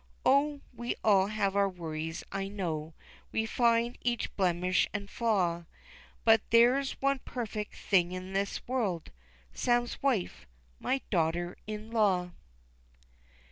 Oh, we all have our worries I know, We find each blemish an' flaw, But there's one perfect thing in this world Sam's wife, my daughter in law.